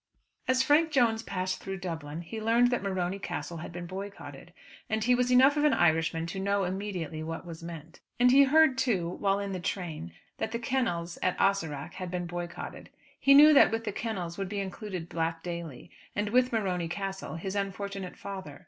As Frank Jones passed through Dublin he learned that Morony Castle had been boycotted; and he was enough of an Irishman to know immediately what was meant. And he heard, too, while in the train that the kennels at Ahaseragh had been boycotted. He knew that with the kennels would be included Black Daly, and with Morony Castle his unfortunate father.